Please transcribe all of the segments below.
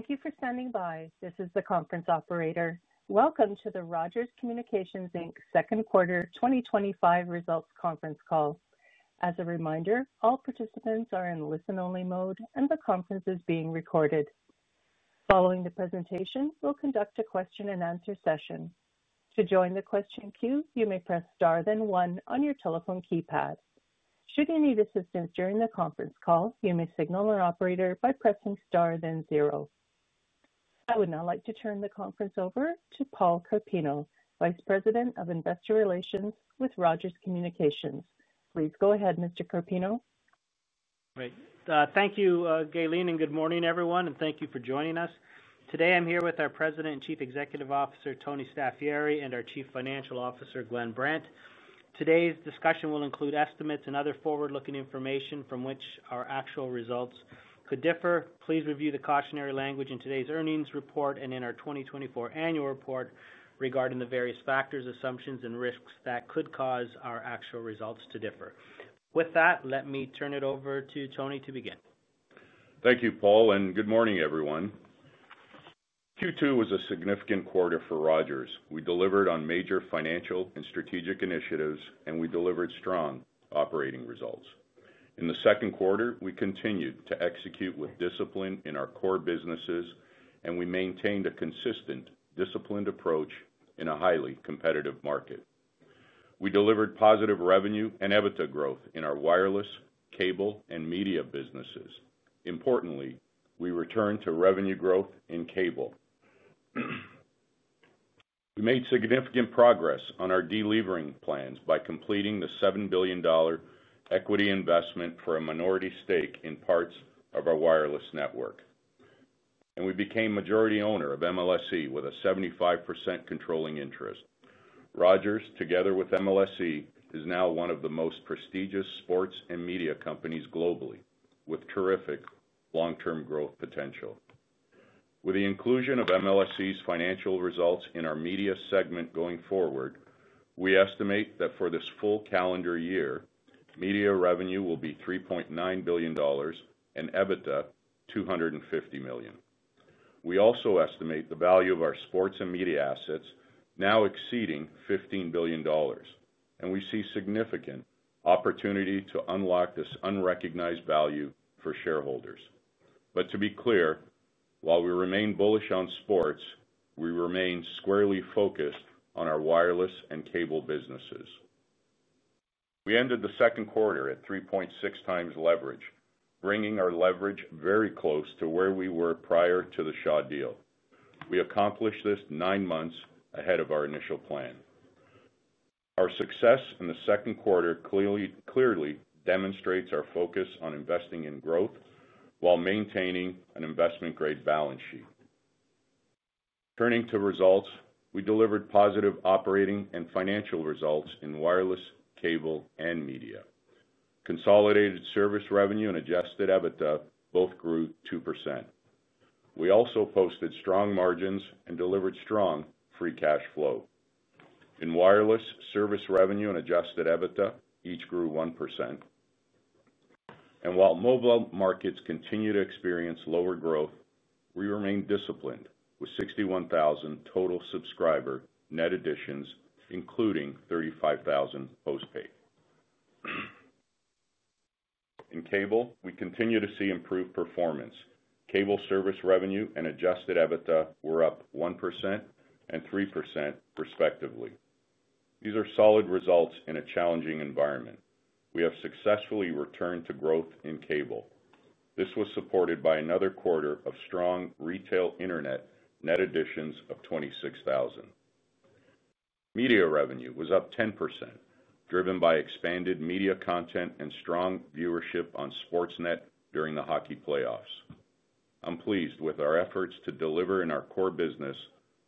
Thank you for standing by. This is the conference operator. Welcome to the Rogers Communications Second Quarter 2025 Results Conference Call. As a reminder, all participants are in listen-only mode, and the conference is being recorded. Following the presentation, we'll conduct a question-and-answer session. To join the question queue, you may press star then one on your telephone keypad. Should you need assistance during the conference call, you may signal our operator by pressing star then zero. I would now like to turn the conference over to Paul Carpino, Vice President of Investor Relations with Rogers Communications. Please go ahead, Mr. Carpino. Great. Thank you, Gaylene, and good morning, everyone, and thank you for joining us. Today, I'm here with our President and Chief Executive Officer, Tony Staffieri, and our Chief Financial Officer, Glenn Brandt. Today's discussion will include estimates and other forward-looking information from which our actual results could differ. Please review the cautionary language in today's earnings report and in our 2024 annual report regarding the various factors, assumptions, and risks that could cause our actual results to differ. With that, let me turn it over to Tony to begin. Thank you, Paul, and good morning, everyone. Q2 was a significant quarter for Rogers. We delivered on major financial and strategic initiatives, and we delivered strong operating results. In the second quarter, we continued to execute with discipline in our core businesses, and we maintained a consistent, disciplined approach in a highly competitive market. We delivered positive revenue and EBITDA growth in our wireless, cable, and media businesses. Importantly, we returned to revenue growth in cable. We made significant progress on our delivering plans by completing the 7 billion dollar equity investment for a minority stake in parts of our wireless network. We became majority owner of MLSE with a 75% controlling interest. Rogers, together with MLSE is now one of the most prestigious sports and media companies globally, with terrific long-term growth potential. With the inclusion of MLSE's financial results in our media segment going forward, we estimate that for this full calendar year, media revenue will be 3.9 billion dollars and EBITDA 250 million. We also estimate the value of our sports and media assets now exceeding 15 billion dollars, and we see significant opportunity to unlock this unrecognized value for shareholders. To be clear, while we remain bullish on sports, we remain squarely focused on our wireless and cable businesses. We ended the second quarter at 3.6 times leverage, bringing our leverage very close to where we were prior to the Shaw deal. We accomplished this nine months ahead of our initial plan. Our success in the second quarter clearly demonstrates our focus on investing in growth while maintaining an investment-grade balance sheet. Turning to results, we delivered positive operating and financial results in wireless, cable, and media. Consolidated service revenue and adjusted EBITDA both grew 2%. We also posted strong margins and delivered strong free cash flow. In wireless, service revenue and adjusted EBITDA each grew 1%. While mobile markets continue to experience lower growth, we remain disciplined with 61,000 total subscriber net additions, including 35,000 postpaid. In cable, we continue to see improved performance. Cable service revenue and adjusted EBITDA were up 1% and 3%, respectively. These are solid results in a challenging environment. We have successfully returned to growth in cable. This was supported by another quarter of strong retail internet net additions of 26,000. Media revenue was up 10%, driven by expanded media content and strong viewership on Sportsnet during the hockey playoffs. I'm pleased with our efforts to deliver in our core business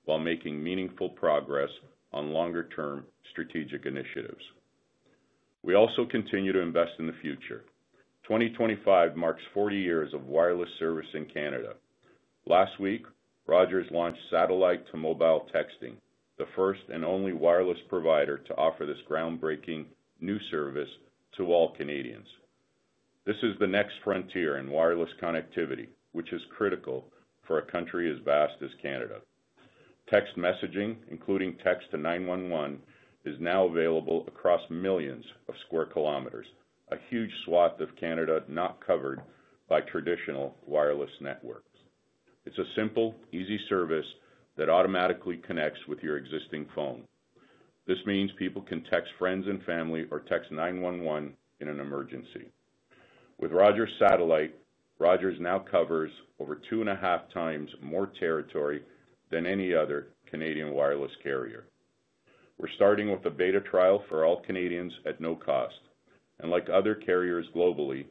while making meaningful progress on longer-term strategic initiatives. We also continue to invest in the future. 2025 marks 40 years of wireless service in Canada. Last week, Rogers launched Satellite-to-Mobile texting, the first and only wireless provider to offer this groundbreaking new service to all Canadians. This is the next frontier in wireless connectivity, which is critical for a country as vast as Canada. Text messaging, including text to 911, is now available across millions of square kilometers, a huge swath of Canada not covered by traditional wireless networks. It's a simple, easy service that automatically connects with your existing phone. This means people can text friends and family or text 911 in an emergency. With Rogers Satellite, Rogers now covers over two and a half times more territory than any other Canadian wireless carrier. We're starting with a beta trial for all Canadians at no cost. Like other carriers globally,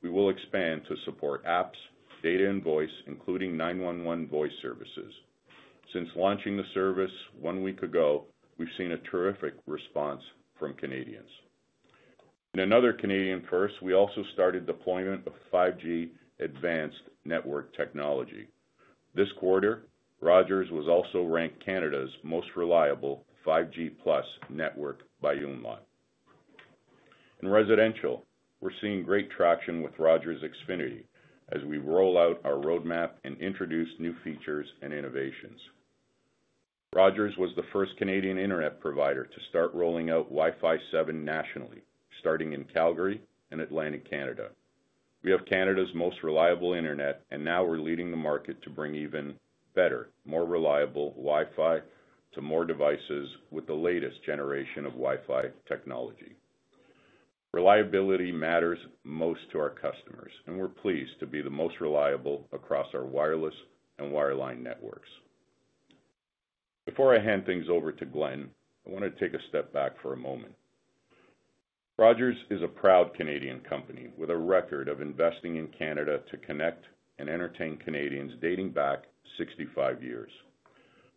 we will expand to support apps, data, and voice, including 911 voice services. Since launching the service one week ago, we've seen a terrific response from Canadians. In another Canadian first, we also started deployment of 5G Advanced network technology. This quarter, Rogers was also ranked Canada's most-reliable 5G+ network by Unilock. In residential, we're seeing great traction with Rogers Xfinity as we roll out our roadmap and introduce new features and innovations. Rogers was the first Canadian internet provider to start rolling out Wi-Fi 7 nationally, starting in Calgary and Atlantic Canada. We have Canada's most-reliable internet, and now we're leading the market to bring even better, more reliable Wi-Fi to more devices with the latest generation of Wi-Fi technology. Reliability matters most to our customers, and we're pleased to be the most reliable across our wireless and wireline networks. Before I hand things over to Glenn, I want to take a step back for a moment. Rogers is a proud Canadian company with a record of investing in Canada to connect and entertain Canadians dating back 65 years.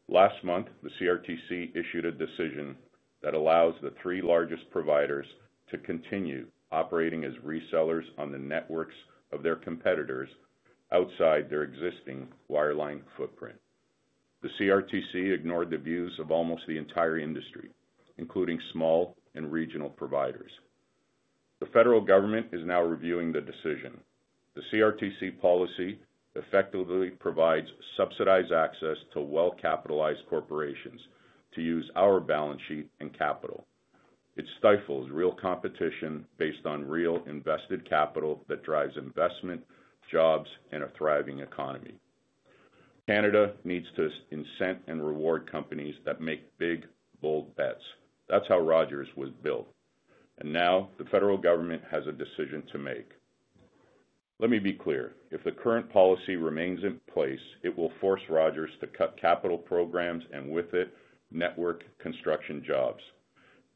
Last month, the CRTC issued a decision that allows the three largest providers to continue operating as resellers on the networks of their competitors outside their existing wireline footprint. The CRTC ignored the views of almost the entire industry, including small and regional providers. The federal government is now reviewing the decision. The CRTC policy effectively provides subsidized access to well-capitalized corporations to use our balance sheet and capital. It stifles real competition based on real invested capital that drives investment, jobs, and a thriving economy. Canada needs to incent and reward companies that make big, bold bets. That's how Rogers was built. Now the federal government has a decision to make. Let me be clear. If the current policy remains in place, it will force Rogers to cut capital programs and, with it, network construction jobs.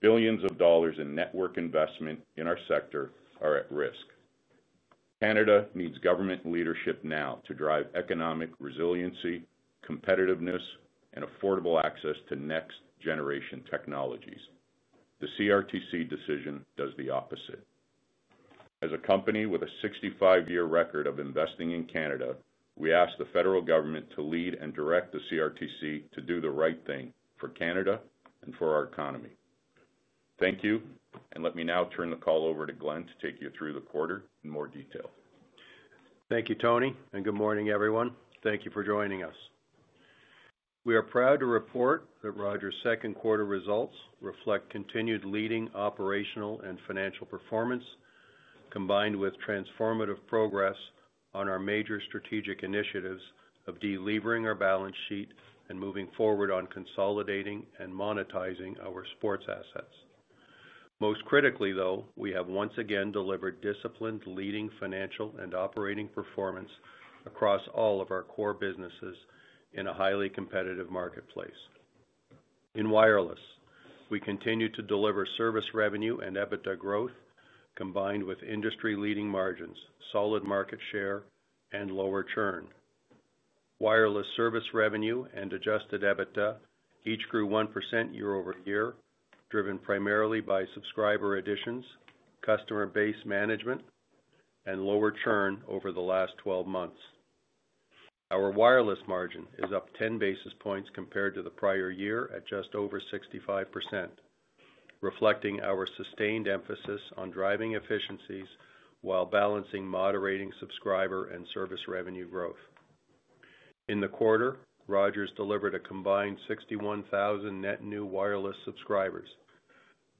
Billions of dollars in network investment in our sector are at risk. Canada needs government leadership now to drive economic resiliency, competitiveness, and affordable access to next-generation technologies. The CRTC decision does the opposite. As a company with a 65-year record of investing in Canada, we ask the federal government to lead and direct the CRTC to do the right thing for Canada and for our economy. Thank you, and let me now turn the call over to Glenn to take you through the quarter in more detail. Thank you, Tony, and good morning, everyone. Thank you for joining us. We are proud to report that Rogers' second quarter results reflect continued leading operational and financial performance. Combined with transformative progress on our major strategic initiatives of deleveraging our balance sheet and moving forward on consolidating and monetizing our sports assets. Most critically, though, we have once again delivered disciplined, leading financial and operating performance across all of our core businesses in a highly competitive marketplace. In wireless, we continue to deliver service revenue and EBITDA growth combined with industry-leading margins, solid market share, and lower churn. Wireless service revenue and adjusted EBITDA each grew 1% year-over-year, driven primarily by subscriber additions, customer base management, and lower churn over the last 12 months. Our wireless margin is up 10 basis points compared to the prior year at just over 65%, reflecting our sustained emphasis on driving efficiencies while balancing moderating subscriber and service revenue growth. In the quarter, Rogers delivered a combined 61,000 net new wireless subscribers,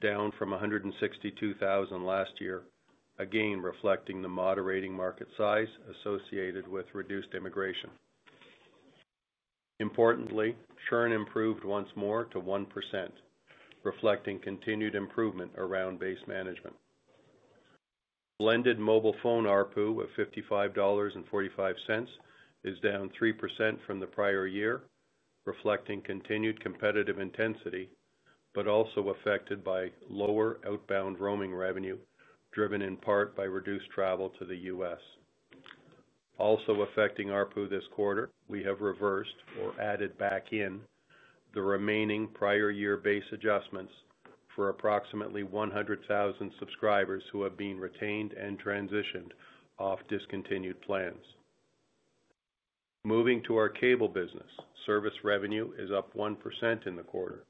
down from 162,000 last year, again reflecting the moderating market size associated with reduced immigration. Importantly, churn improved once more to 1%, reflecting continued improvement around base management. Blended mobile phone ARPU of 55.45 is down 3% from the prior year, reflecting continued competitive intensity but also affected by lower outbound roaming revenue driven in part by reduced travel to the U.S. Also affecting ARPU this quarter, we have reversed or added back in the remaining prior-year base adjustments for approximately 100,000 subscribers who have been retained and transitioned off discontinued plans. Moving to our cable business, service revenue is up 1% in the quarter,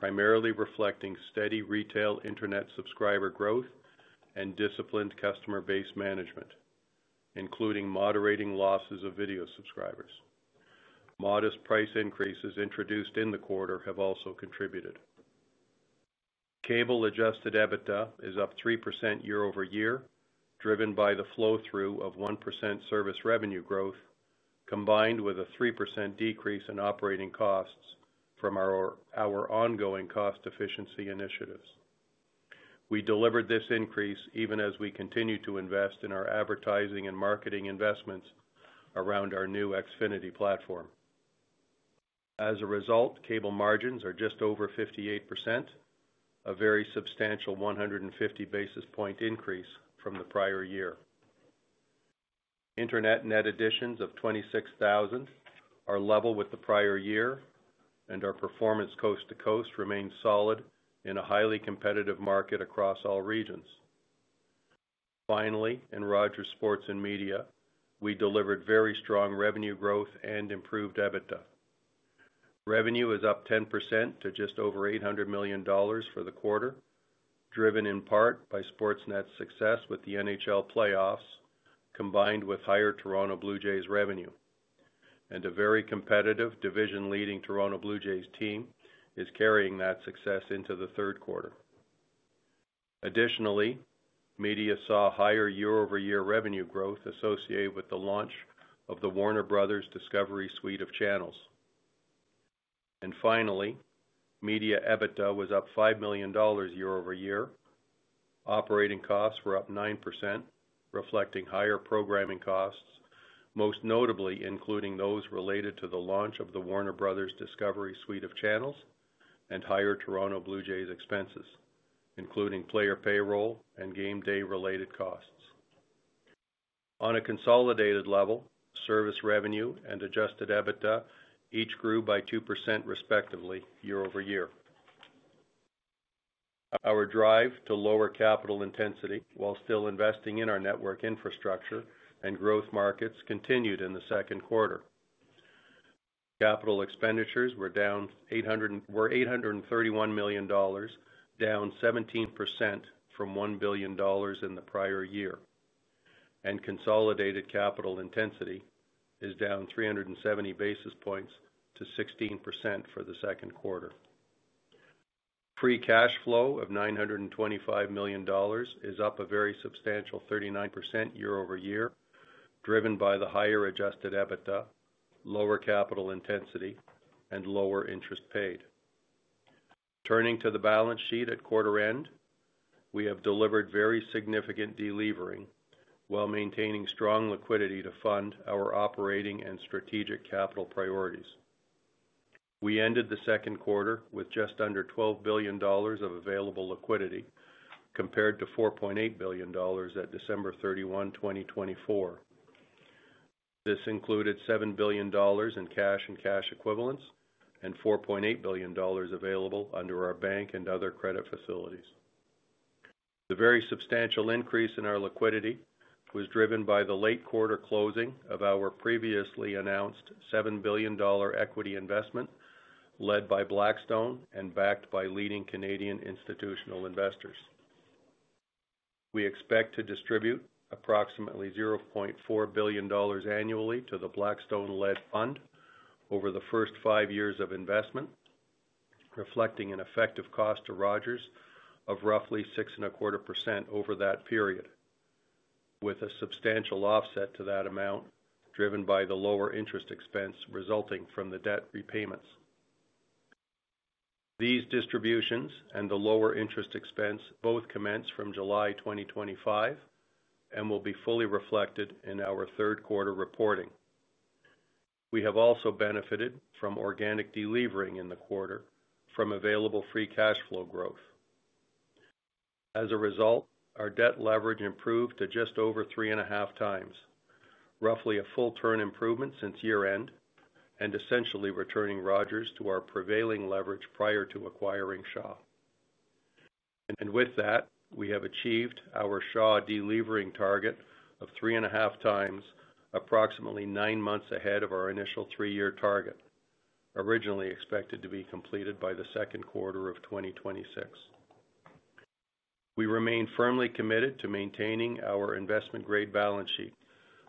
primarily reflecting steady retail internet subscriber growth and disciplined customer base management, including moderating losses of video subscribers. Modest price increases introduced in the quarter have also contributed. Cable adjusted EBITDA is up 3% year-over-year, driven by the flow-through of 1% service revenue growth combined with a 3% decrease in operating costs from our ongoing cost-efficiency initiatives. We delivered this increase even as we continue to invest in our advertising and marketing investments around our new Xfinity platform. As a result, cable margins are just over 58%, a very substantial 150-basis-point increase from the prior year. Internet net additions of 26,000 are level with the prior year, and our performance coast to coast remains solid in a highly competitive market across all regions. Finally, in Rogers Sports and Media, we delivered very strong revenue growth and improved EBITDA. Revenue is up 10% to just over 800 million dollars for the quarter, driven in part by Sportsnet's success with the NHL playoffs combined with higher Toronto Blue Jays revenue. A very competitive, division-leading Toronto Blue Jays team is carrying that success into the third quarter. Additionally, media saw higher year-over-year revenue growth associated with the launch of the Warner Bros. Discovery suite of channels. Finally, media EBITDA was up 5 million dollars year-over-year. Operating costs were up 9%, reflecting higher programming costs, most notably including those related to the launch of the Warner Brothers. Discovery suite of channels and higher Toronto Blue Jays expenses, including player payroll and game day-related costs. On a consolidated level, service revenue and adjusted EBITDA each grew by 2% respectively year-over-year. Our drive to lower capital intensity while still investing in our network infrastructure and growth markets continued in the second quarter. Capital expenditures were down 831 million dollars, down 17% from 1 billion dollars in the prior year. Consolidated capital intensity is down 370 basis points to 16% for the second quarter. Free cash flow of 925 million dollars is up a very substantial 39% year-over-year, driven by the higher adjusted EBITDA, lower capital intensity, and lower interest paid. Turning to the balance sheet at quarter end, we have delivered very significant deleveraging while maintaining strong liquidity to fund our operating and strategic capital priorities. We ended the second quarter with just under 12 billion dollars of available liquidity compared to 4.8 billion dollars at December 31, 2024. This included 7 billion dollars in cash and cash equivalents and 4.8 billion dollars available under our bank and other credit facilities. The very substantial increase in our liquidity was driven by the late-quarter closing of our previously announced 7 billion dollar equity investment led by Blackstone and backed by leading Canadian institutional investors. We expect to distribute approximately 0.4 billion dollars annually to the Blackstone-led fund over the first five years of investment, reflecting an effective cost to Rogers of roughly 6.25% over that period, with a substantial offset to that amount driven by the lower interest expense resulting from the debt repayments. These distributions and the lower interest expense both commence from July 2025 and will be fully reflected in our third-quarter reporting. We have also benefited from organic deleveraging in the quarter from available free cash flow growth. As a result, our debt leverage improved to just over three-and-a-half times, roughly a full-turn improvement since year-end and essentially returning Rogers to our prevailing leverage prior to acquiring Shaw. With that, we have achieved our Shaw deleveraging target of three-and-a-half times, approximately nine months ahead of our initial three-year target, originally expected to be completed by the second quarter of 2026. We remain firmly committed to maintaining our investment-grade balance sheet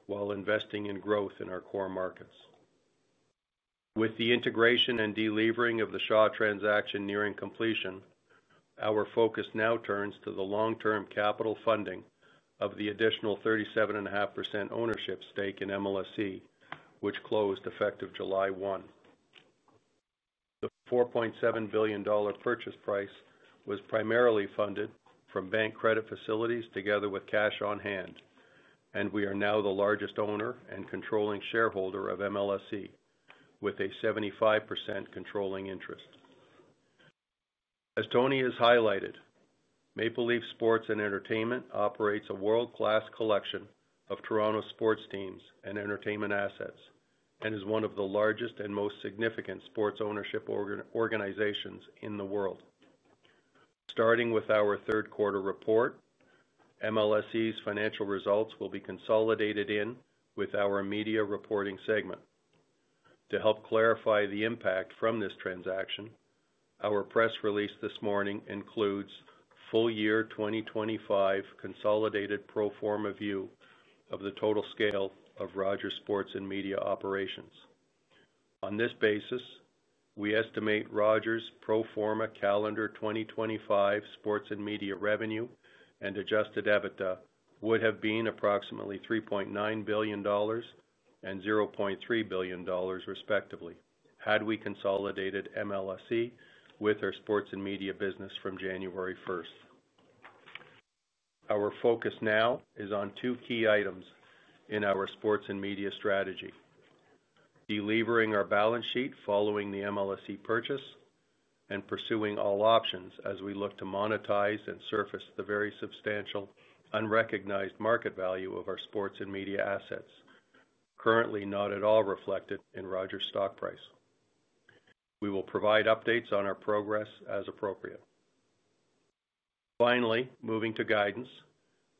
while investing in growth in our core markets. With the integration and deleveraging of the Shaw transaction nearing completion, our focus now turns to the long-term capital funding of the additional 37.5% ownership stake in MLSE, which closed effective July 1. The 4.7 billion dollar purchase price was primarily funded from bank credit facilities together with cash on hand. We are now the largest owner and controlling shareholder of MLSE with a 75% controlling interest. As Tony has highlighted, Maple Leaf Sports & Entertainment operates a world-class collection of Toronto sports teams and entertainment assets and is one of the largest and most significant sports ownership organizations in the world. Starting with our third-quarter report, MLSE's financial results will be consolidated in with our media reporting segment. To help clarify the impact from this transaction, our press release this morning includes full-year 2025 consolidated pro-forma view of the total scale of Rogers Sports and Media operations. On this basis, we estimate Rogers' pro-forma calendar 2025 sports and media revenue and adjusted EBITDA would have been approximately 3.9 billion dollars and 0.3 billion dollars respectively had we consolidated MLSE with our sports and media business from January first. Our focus now is on two key items in our sports and media strategy: delivering our balance sheet following the MLSE purchase and pursuing all options as we look to monetize and surface the very substantial unrecognized market value of our sports and media assets, currently not at all reflected in Rogers' stock price. We will provide updates on our progress as appropriate. Finally, moving to guidance,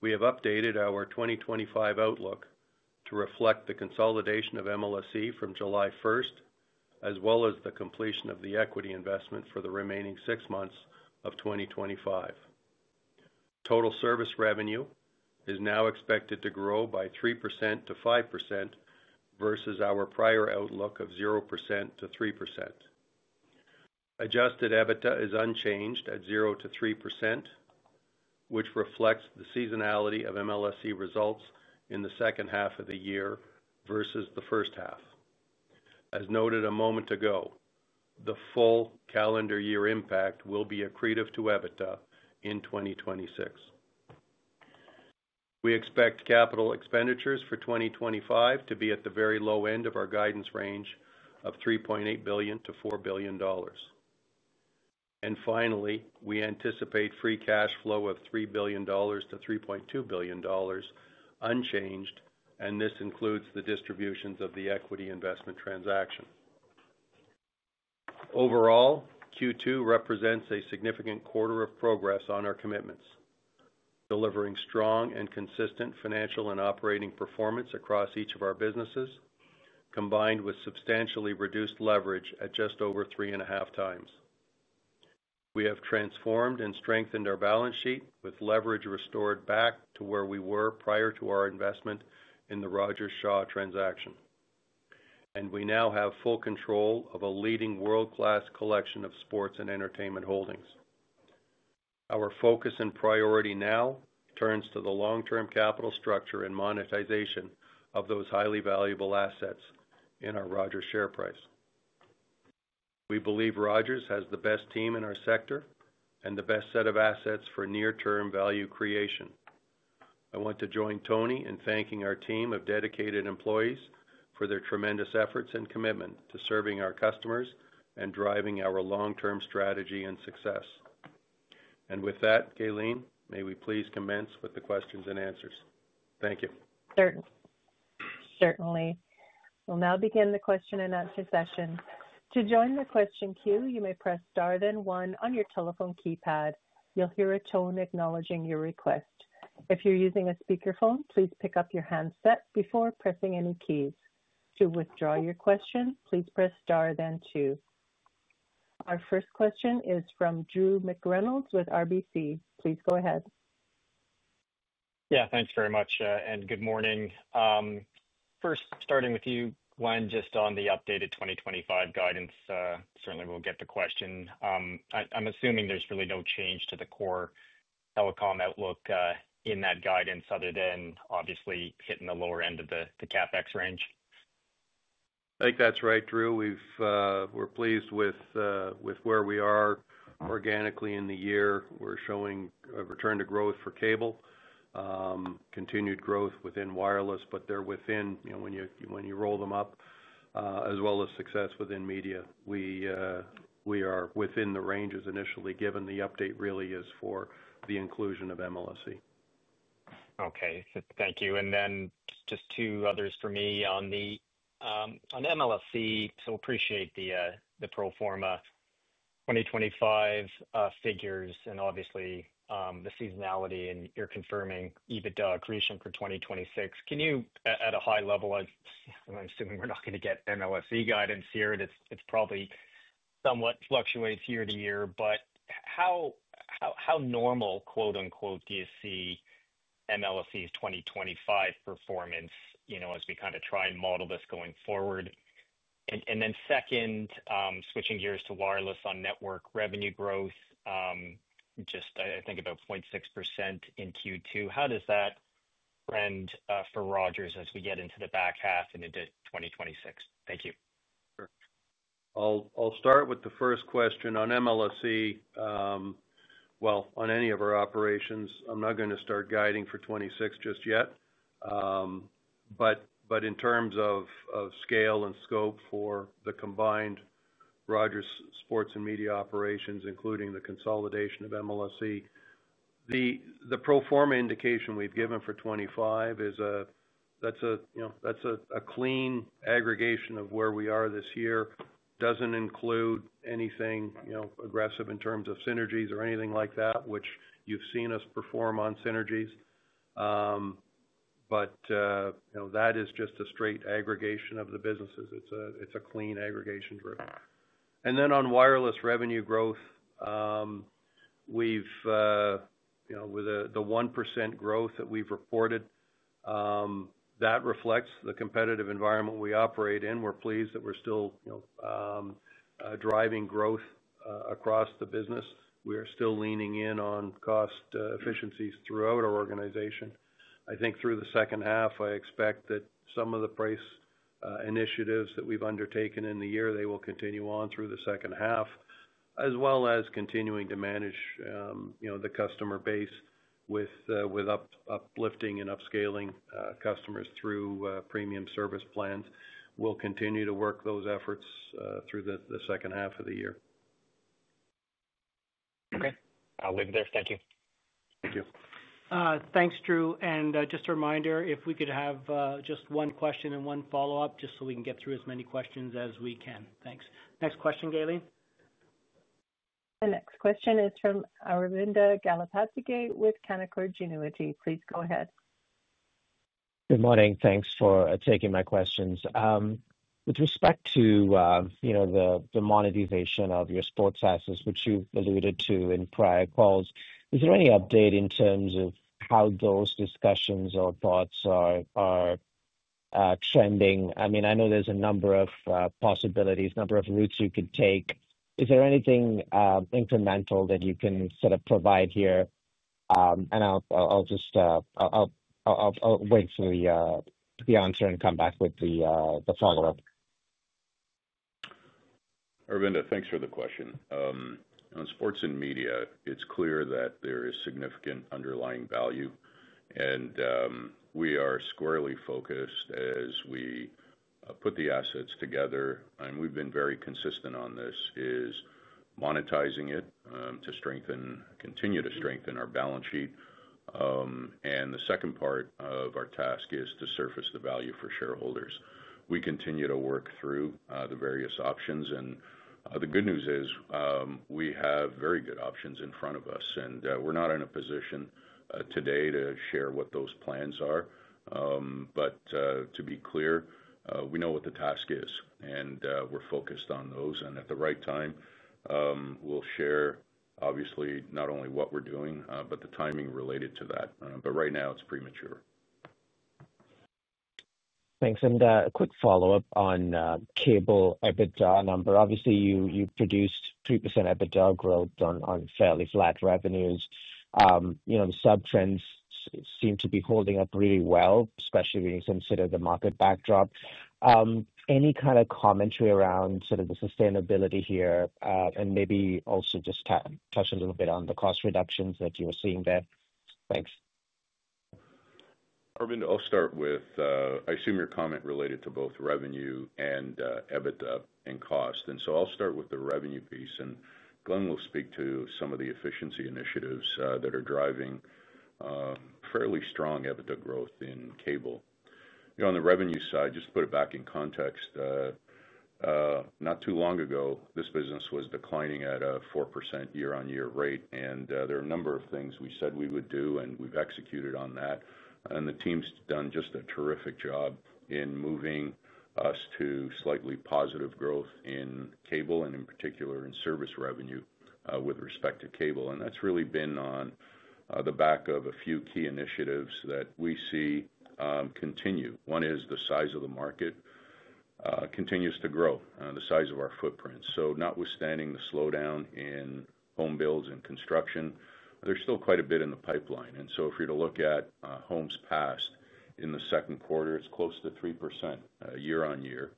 we have updated our 2025 outlook to reflect the consolidation of MLSE from July 1st as well as the completion of the equity investment for the remaining six months of 2025. Total service revenue is now expected to grow by 3%–5% versus our prior outlook of 0%–3%. Adjusted EBITDA is unchanged at 0%–3%, which reflects the seasonality of MLSE results in the second half of the year versus the first half. As noted a moment ago, the full calendar-year impact will be accretive to EBITDA in 2026. We expect capital expenditures for 2025 to be at the very low end of our guidance range of 3.8 billion-4 billion dollars. Finally, we anticipate free cash flow of 3 billion-3.2 billion dollars, unchanged, and this includes the distributions of the equity investment transaction. Overall, Q2 represents a significant quarter of progress on our commitments, delivering strong and consistent financial and operating performance across each of our businesses, combined with substantially reduced leverage at just over three-and-a-half times. We have transformed and strengthened our balance sheet with leverage restored back to where we were prior to our investment in the Rogers-Shaw transaction. We now have full control of a leading world-class collection of sports and entertainment holdings. Our focus and priority now turns to the long-term capital structure and monetization of those highly valuable assets in our Rogers share price. We believe Rogers has the best team in our sector and the best set of assets for near-term value creation. I want to join Tony in thanking our team of dedicated employees for their tremendous efforts and commitment to serving our customers and driving our long-term strategy and success. With that, Gaylene, may we please commence with the questions and answers? Thank you. Certainly. We'll now begin the question-and-answer session. To join the question queue, you may press star then one on your telephone keypad. You'll hear a tone acknowledging your request. If you're using a speakerphone, please pick up your handset before pressing any keys. To withdraw your question, please press star then two. Our first question is from Drew McReynolds with RBC. Please go ahead. Yeah, thanks very much, and good morning. First, starting with you, Glenn, just on the updated 2025 guidance, certainly we'll get the question. I'm assuming there's really no change to the core telecom outlook in that guidance other than obviously hitting the lower end of the CapEx range. I think that's right, Drew. We're pleased with where we are organically in the year. We're showing a return to growth for cable, continued growth within wireless, but they're within when you roll them up, as well as success within media. We are within the ranges initially given. The update really is for the inclusion of MLSE. Okay, thank you. And then just two others for me on MLSE. So appreciate the pro-forma 2025 figures and obviously the seasonality and you're confirming EBITDA accretion for 2026. Can you, at a high level, I'm assuming we're not going to get MLSE guidance here. It probably somewhat fluctuates year to year, but how "normal" do you see MLSE's 2025 performance as we kind of try and model this going forward? And then second, switching gears to wireless on network revenue growth. Just I think about 0.6% in Q2. How does that trend for Rogers as we get into the back half into 2026? Thank you. I'll start with the first question on MLSE. On any of our operations, I'm not going to start guiding for 2026 just yet. In terms of scale and scope for the combined Rogers Sports and Media operations, including the consolidation of MLSE, the pro-forma indication we've given for 2025 is a clean aggregation of where we are this year. Doesn't include anything aggressive in terms of synergies or anything like that, which you've seen us perform on synergies, but that is just a straight aggregation of the businesses. It's a clean aggregation driven. And then on wireless revenue growth, with the 1% growth that we've reported, that reflects the competitive environment we operate in. We're pleased that we're still driving growth across the business. We are still leaning in on cost efficiencies throughout our organization. I think through the second half, I expect that some of the price initiatives that we've undertaken in the year, they will continue on through the second half, as well as continuing to manage the customer base with uplifting and upscaling customers through premium service plans. We'll continue to work those efforts through the second half of the year. Okay. I'll leave it there. Thank you. Thank you. Thanks, Drew. And just a reminder, if we could have just one question and one follow-up just so we can get through as many questions as we can. Thanks. Next question, Gayleen? The next question is from Aravinda Galappatthige with Canaccord Genuity. Please go ahead. Good morning. Thanks for taking my questions. With respect to the monetization of your sports assets, which you've alluded to in prior calls, is there any update in terms of how those discussions or thoughts are trending? I mean, I know there's a number of possibilities, a number of routes you could take. Is there anything incremental that you can sort of provide here? I'll wait for the answer and come back with the follow-up. Arvinda, thanks for the question. On sports and media, it's clear that there is significant underlying value. We are squarely focused as we put the assets together. We've been very consistent on this, which is monetizing it to continue to strengthen our balance sheet. The second part of our task is to surface the value for shareholders. We continue to work through the various options. The good news is we have very good options in front of us. We're not in a position today to share what those plans are. To be clear, we know what the task is, and we're focused on those. At the right time, we'll share, obviously, not only what we're doing, but the timing related to that. Right now, it's premature. Thanks. A quick follow-up on cable EBITDA number. Obviously, you produced 3% EBITDA growth on fairly flat revenues. The subtrends seem to be holding up really well, especially when you consider the market backdrop. Any kind of commentary around the sustainability here and maybe also just touch a little bit on the cost reductions that you were seeing there? Thanks. Arvinda, I'll start with, I assume your comment related to both revenue and EBITDA and cost. I'll start with the revenue piece, and Glenn will speak to some of the efficiency initiatives that are driving fairly strong EBITDA growth in cable. On the revenue side, just to put it back in context, not too long ago, this business was declining at a 4% year-on-year rate. There are a number of things we said we would do, and we've executed on that. The team's done just a terrific job in moving us to slightly positive growth in cable and in particular in service revenue with respect to cable. That's really been on the back of a few key initiatives that we see continue. One is the size of the market continues to grow, the size of our footprint. Notwithstanding the slowdown in home builds and construction, there's still quite a bit in the pipeline. If you're to look at homes passed in the second quarter, it's close to 3% year-on-year.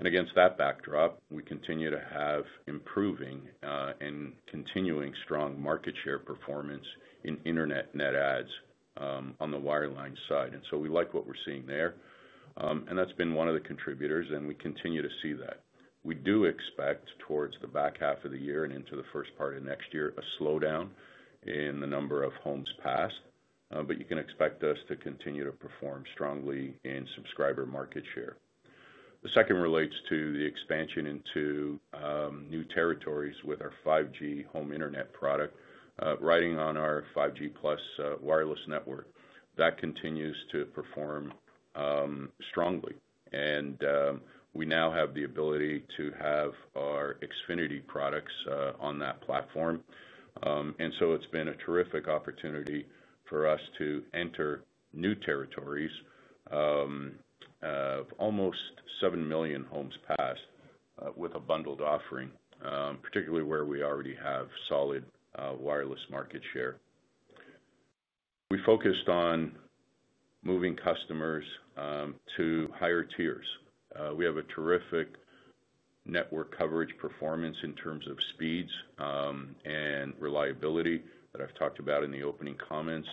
Against that backdrop, we continue to have improving and continuing strong market share performance in internet net additions on the wireline side. We like what we're seeing there. That's been one of the contributors, and we continue to see that. We do expect towards the back half of the year and into the first part of next year a slowdown in the number of homes passed. You can expect us to continue to perform strongly in subscriber market share. The second relates to the expansion into new territories with our 5G Home Internet product, riding on our 5G+ wireless network. That continues to perform strongly. We now have the ability to have our Xfinity products on that platform. It's been a terrific opportunity for us to enter new territories of almost 7 million homes passed with a bundled offering, particularly where we already have solid wireless market share. We focused on moving customers to higher tiers. We have a terrific network coverage performance in terms of speeds and reliability that I've talked about in the opening comments.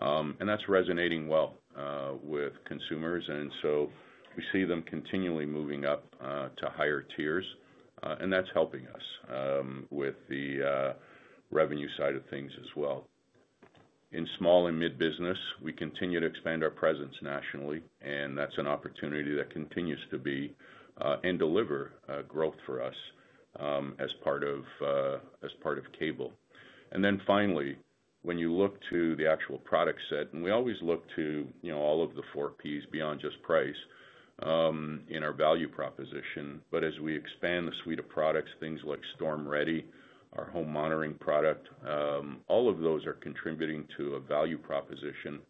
That's resonating well with consumers. We see them continually moving up to higher tiers, and that's helping us with the revenue side of things as well. In small and mid-business, we continue to expand our presence nationally. That's an opportunity that continues to be and deliver growth for us as part of cable. Finally, when you look to the actual product set, we always look to all of the Four Ps beyond just price in our value proposition. As we expand the suite of products, things like Storm Ready, our home monitoring product, all of those are contributing to a value proposition,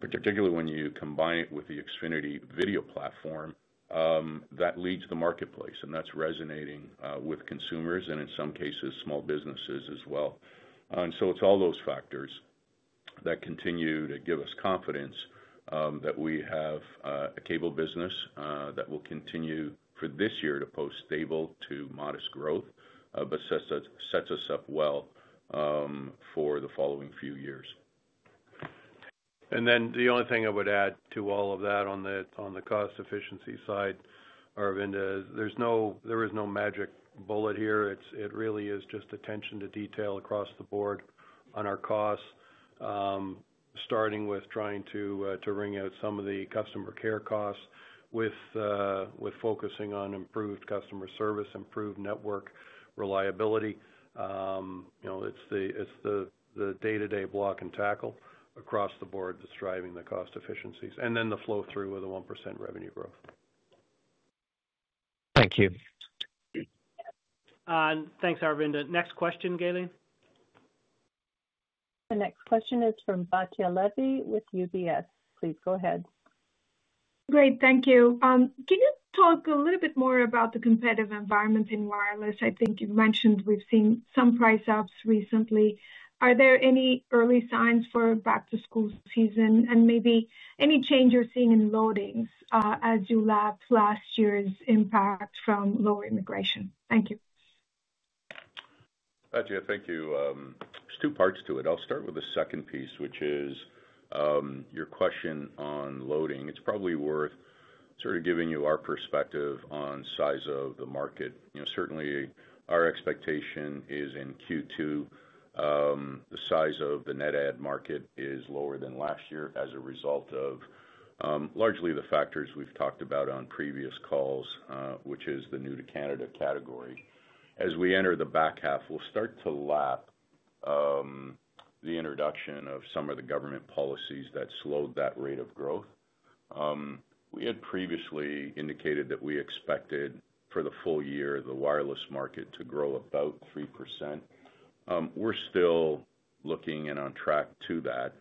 particularly when you combine it with the Xfinity video platform that leads the marketplace. That's resonating with consumers and in some cases, small businesses as well. It's all those factors that continue to give us confidence that we have a cable business that will continue for this year to post stable to modest growth, but sets us up well for the following few years. The only thing I would add to all of that on the cost efficiency side, Aravinda, there is no magic bullet here. It really is just attention to detail across the board on our costs, starting with trying to ring out some of the customer care costs with focusing on improved customer service, improved network reliability. It's the day-to-day block-and-tackle across the board that's driving the cost efficiencies, and then the flow through with the 1% revenue growth. Thank you. Thanks, Arvinda. Next question, Gayleen? The next question is from Batya Levi with UBS. Please go ahead. Great. Thank you. Can you talk a little bit more about the competitive environment in wireless? I think you've mentioned we've seen some price ups recently. Are there any early signs for back-to-school season? Maybe any change you're seeing in loadings as you left last year's impact from lower immigration? Thank you. Batya, thank you. There are two parts to it. I'll start with the second piece, which is your question on loading. It's probably worth sort of giving you our perspective on the size of the market. Certainly, our expectation is in Q2 the size of the net ad market is lower than last year as a result of largely the factors we've talked about on previous calls, which is the new-to-Canada category. As we enter the back half, we'll start to lap the introduction of some of the government policies that slowed that rate of growth. We had previously indicated that we expected for the full year, the wireless market to grow about 3%. We're still looking and on track to that.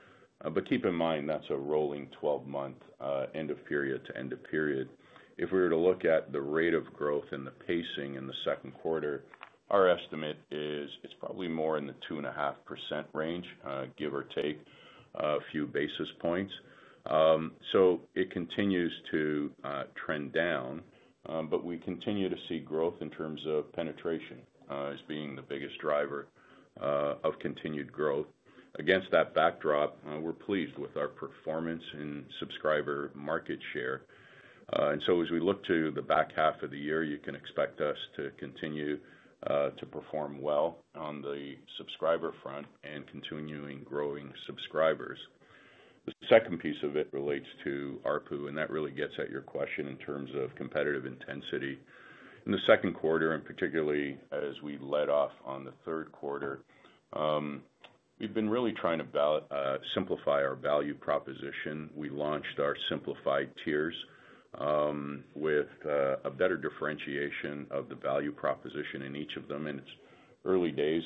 But keep in mind that's a rolling 12-month end-of-period-to-end-of-period. If we were to look at the rate of growth and passing in the second quarter, our estimate is it's probably more in 2.5% range, give or take a few basis points. It continues to trend down, but we continue to see growth in terms of penetration as being the biggest driver of continued growth. Against the backdrop, we're pleased with our performance in subscriber market share, and as we look to the back half of the year, you can expect us to continue to perform well on the subscriber front and continue growing subscribers. The second piece of it relates to ARPU, and that really gets at your question in terms of competitive intensity. In the second quarter, and particularly as we led off on the third quarter, we've been really trying to simplify our value proposition. We launched our simplified tiers with a better differentiation of the value proposition in each of them. It's early days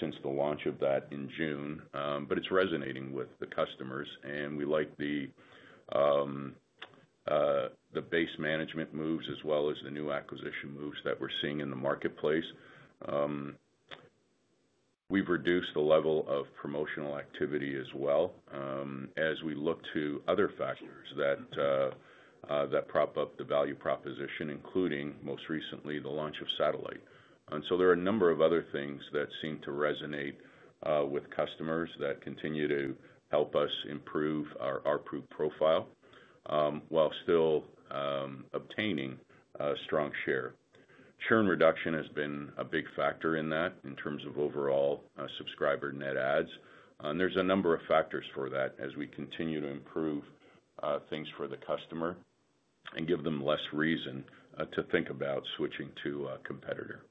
since the launch of that in June, but it's resonating with the customers. We like the base management moves as well as the new acquisition moves that we're seeing in the marketplace. We've reduced the level of promotional activity as well as we look to other factors that prop up the value proposition, including most recently the launch of satellite. There are a number of other things that seem to resonate with customers that continue to help us improve our ARPU profile while still obtaining a strong share. Churn reduction has been a big factor in that in terms of overall subscriber net ads. There are a number of factors for that as we continue to improve things for the customer and give them less reason to think about switching to a competitor.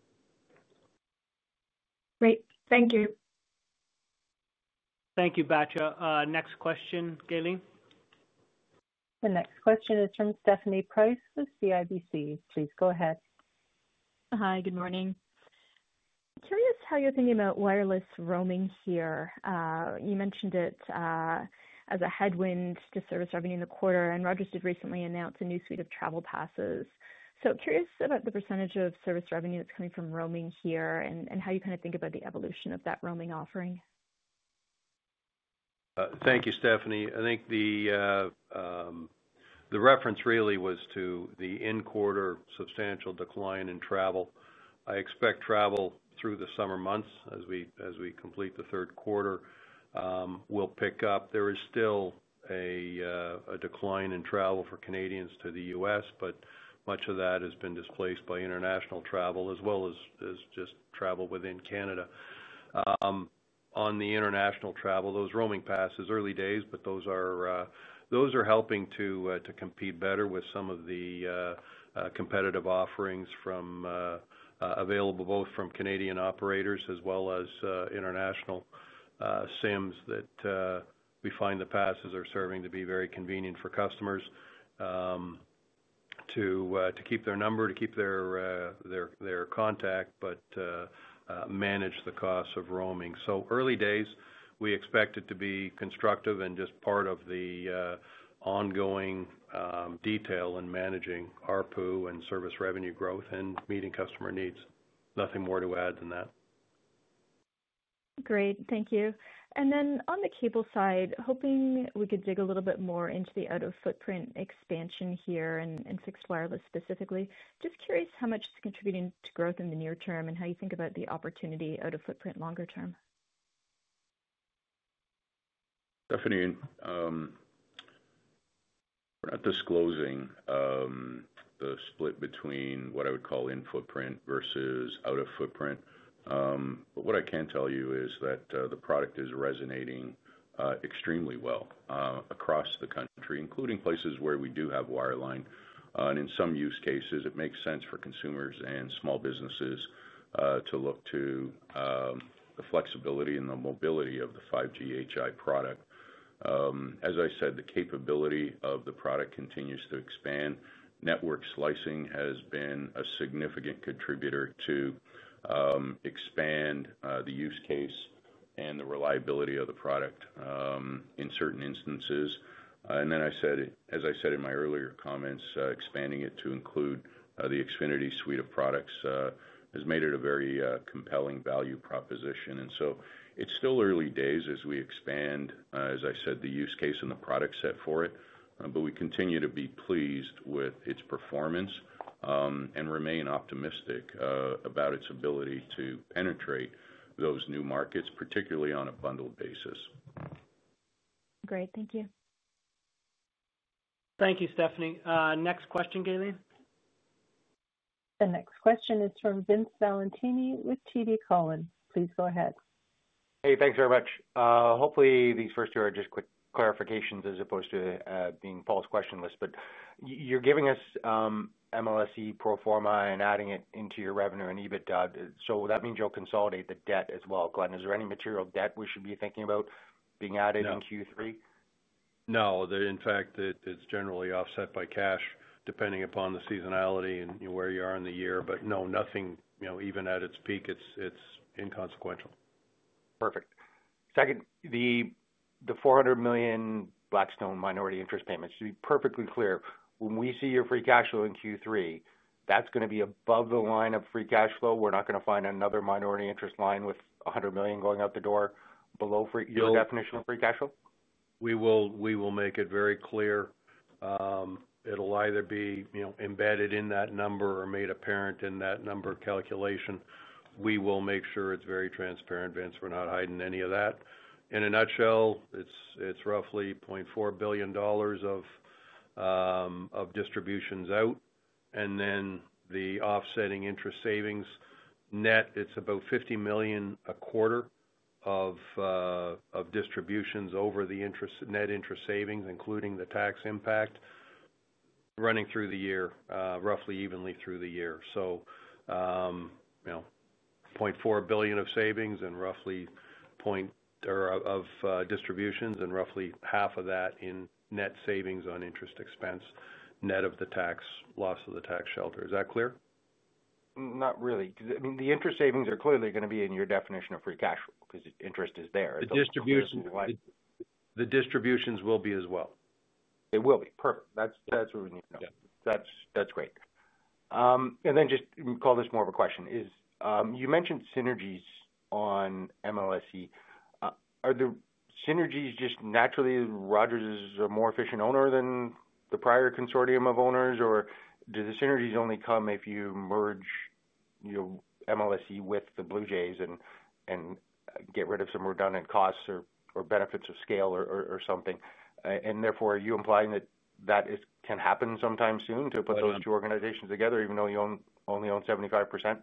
Great. Thank you. Thank you, Batya. Next question, Gayleen? The next question is from Stephanie Price with CIBC. Please go ahead. Hi. Good morning. Curious how you're thinking about wireless roaming here. You mentioned it as a headwind to service revenue in the quarter. Rogers did recently announce a new suite of travel passes. Curious about the percentage of service revenue that's coming from roaming here and how you kind of think about the evolution of that roaming offering. Thank you, Stephanie. I think the reference really was to the in-quarter substantial decline in travel. I expect travel through the summer months as we complete the third quarter will pick up. There is still a decline in travel for Canadians to the U.S., but much of that has been displaced by international travel as well as just travel within Canada. On the international travel, those roaming passes, early days, but those are helping to compete better with some of the competitive offerings available both from Canadian operators as well as international SIMs. We find the passes are serving to be very convenient for customers to keep their number, to keep their contact, but manage the costs of roaming. Early days, we expect it to be constructive and just part of the ongoing detail in managing ARPU and service revenue growth and meeting customer needs. Nothing more to add than that. Great. Thank you. On the cable side, hoping we could dig a little bit more into the out-of-footprint expansion here and fixed wireless specifically. Curious how much it's contributing to growth in the near term and how you think about the opportunity out-of-footprint longer term. Stephanie, we're not disclosing the split between what I would call in-footprint versus out-of-footprint. What I can tell you is that the product is resonating extremely well across the country, including places where we do have wireline. In some use cases, it makes sense for consumers and small businesses to look to the flexibility and the mobility of the 5G Home Internet product. As I said, the capability of the product continues to expand. Network slicing has been a significant contributor to expand the use case and the reliability of the product in certain instances. As I said in my earlier comments, expanding it to include the Xfinity suite of products has made it a very compelling value proposition. It's still early days as we expand, as I said, the use case and the product set for it. We continue to be pleased with its performance and remain optimistic about its ability to penetrate those new markets, particularly on a bundled basis. Great. Thank you. Thank you, Stephanie. Next question, Gayleen? The next question is from Vince Valentini with TD Cowen. Please go ahead. Hey, thanks very much. Hopefully, these first two are just quick clarifications as opposed to being false question lists. You're giving us MLSE pro forma and adding it into your revenue and EBITDA. That means you'll consolidate the debt as well, Glenn. Is there any material debt we should be thinking about being added in Q3? No. In fact, it's generally offset by cash depending upon the seasonality and where you are in the year. No, nothing, even at its peak, it's inconsequential. Perfect. Second, the 400 million Blackstone minority interest payments, to be perfectly clear, when we see your free cash flow in Q3, that's going to be above the line of free cash flow. We're not going to find another minority interest line with 100 million going out the door below your definition of free cash flow.? We will make it very clear. It'll either be embedded in that number or made apparent in that number calculation. We will make sure it's very transparent, Vince. We're not hiding any of that. In a nutshell, it's roughly 0.4 billion dollars of distributions out. And then the offsetting interest savings net, it's about 50 million a quarter of distributions over the net interest savings, including the tax impact, running through the year, roughly evenly through the year. 0.4 billion of savings and roughly distributions and roughly half of that in net savings on interest expense, net of the tax, loss of the tax shelter. Is that clear? Not really. I mean, the interest savings are clearly going to be in your definition of free cash flow because interest is there. The distributions will be as well. They will be? Perfect. That's what we need to know. That's great. Just call this more of a question. You mentioned synergies on MLSE. Are the synergies just naturally Rogers is a more efficient owner than the prior consortium of owners, or do the synergies only come if you merge MLSE with the Blue Jays and get rid of some redundant costs or benefits of scale or something? Therefore, are you implying that that can happen sometime soon to put those two organizations together, even though you only own 75%?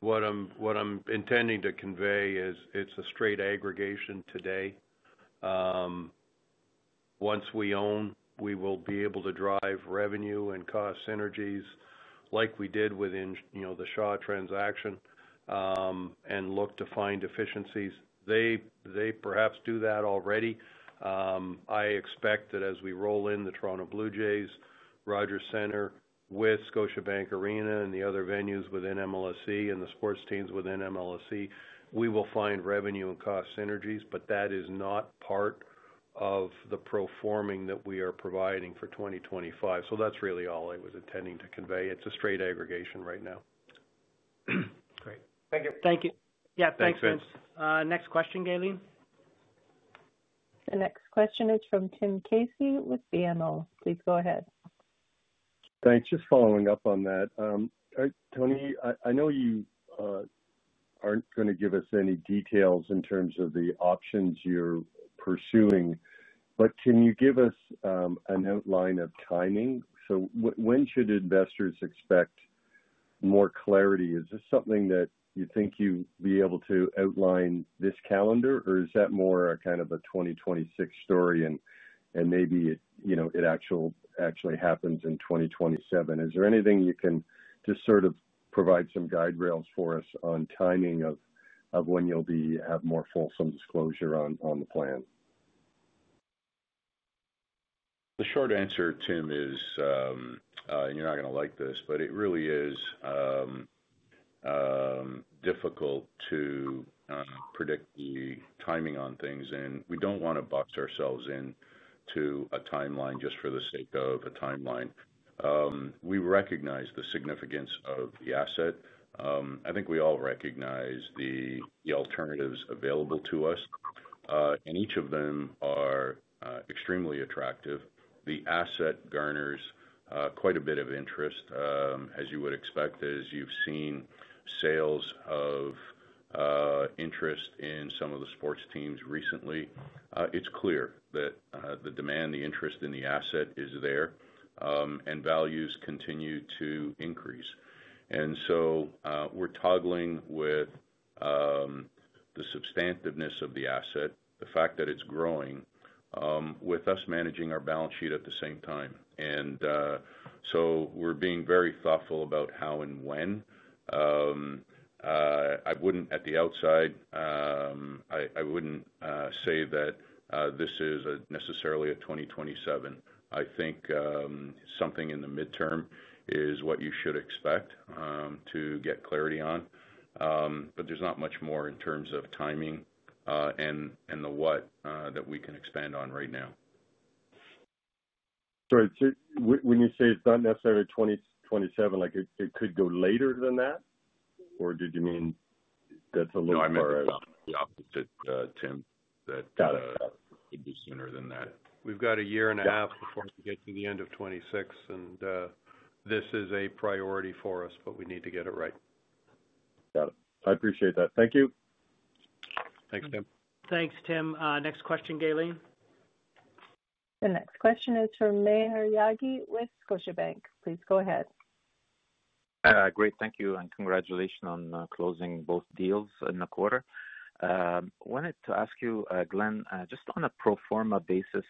What I'm intending to convey is it's a straight aggregation today. Once we own, we will be able to drive revenue and cost synergies like we did with the Shaw transaction and look to find efficiencies. They perhaps do that already. I expect that as we roll in the Toronto Blue Jays, Rogers Centre, with Scotiabank Arena and the other venues within MLSE and the sports teams within MLSE, we will find revenue and cost synergies. That is not part of the pro forming that we are providing for 2025. That's really all I was intending to convey. It's a straight aggregation right now. Great. Thank you. Thank you. Yeah. Thanks, Vince. Next question, Gayleen? The next question is from Tim Casey with BMO. Please go ahead. Thanks. Just following up on that. Tony, I know you aren't going to give us any details in terms of the options you're pursuing, but can you give us an outline of timing? When should investors expect more clarity? Is this something that you think you'd be able to outline this calendar, or is that more kind of a 2026 story and maybe it actually happens in 2027? Is there anything you can just sort of provide some guide rails for us on timing of when you'll have more fulsome disclosure on the plan? The short answer, Tim, is. And you're not going to like this, but it really is difficult to predict the timing on things. We don't want to box ourselves into a timeline just for the sake of a timeline. We recognize the significance of the asset. I think we all recognize the alternatives available to us. Each of them are extremely attractive. The asset garners quite a bit of interest, as you would expect, as you've seen sales of interest in some of the sports teams recently. It's clear that the demand, the interest in the asset is there, and values continue to increase. We're toggling with the substantiveness of the asset, the fact that it's growing, with us managing our balance sheet at the same time. We are being very thoughtful about how and when. At the outside, I wouldn't say that this is necessarily a 2027. I think something in the midterm is what you should expect to get clarity on. There's not much more in terms of timing and the what that we can expand on right now. Sorry. When you say it's not necessarily 2027, it could go later than that? Or did you mean that's a little far away? No, I meant the opposite, Tim. That it could be sooner than that. We've got a year and a half before we get to the end of 2026, and this is a priority for us, but we need to get it right. Got it. I appreciate that. Thank you. Thanks, Tim. Thanks, Tim. Next question, Gayleen? The next question is from Maher Yaghi with Scotiabank. Please go ahead. Great. Thank you. Congratulations on closing both deals in the quarter. I wanted to ask you, Glenn, just on a pro forma basis,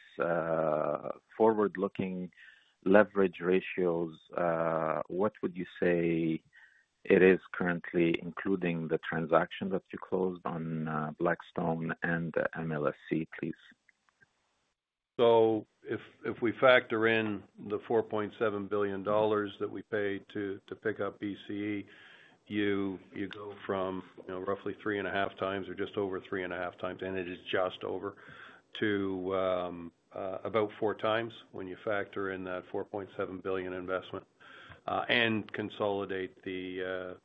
forward-looking leverage ratios. What would you say it is currently, including the transaction that you closed on Blackstone and MLSE, please? If we factor in the 4.7 billion dollars that we paid to pick up BCE, you go from roughly three and a half times or just over three and a half times, and it is just over, to about four times when you factor in that 4.7 billion investment and consolidate the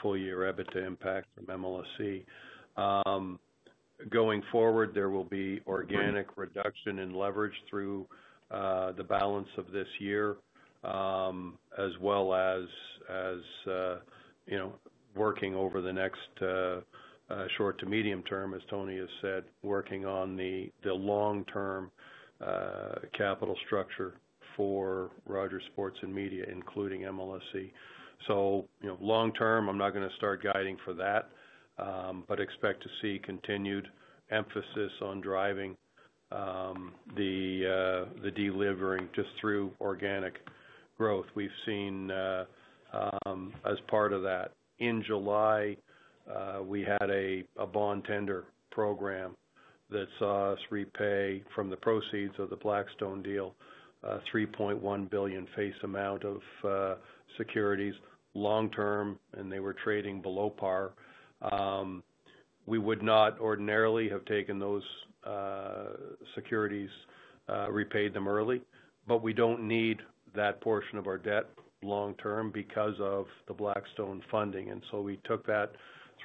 full-year EBITDA impact from MLSE. Going forward, there will be organic reduction in leverage through the balance of this year, as well as working over the next short to medium term, as Tony has said, working on the long-term capital structure for Rogers Sports and Media, including MLSE. Long-term, I'm not going to start guiding for that, but expect to see continued emphasis on driving the. Delivering just through organic growth. We've seen. As part of that, in July, we had a bond tender program that saw us repay from the proceeds of the Blackstone deal, $3.1 billion face amount of securities long-term, and they were trading below par. We would not ordinarily have taken those securities, repaid them early, but we do not need that portion of our debt long-term because of the Blackstone funding. We took that